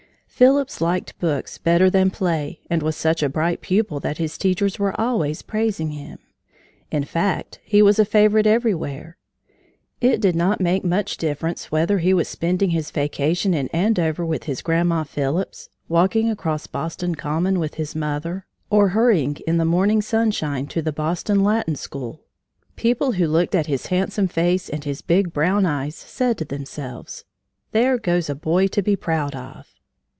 Phillips liked books better than play and was such a bright pupil that his teachers were always praising him. In fact, he was a favorite everywhere. It did not make much difference whether he was spending his vacation in Andover with his Grandma Phillips, walking across Boston Common with his mother, or hurrying in the morning sunshine to the Boston Latin School, people who looked at his handsome face and his big brown eyes said to themselves: "There goes a boy to be proud of!"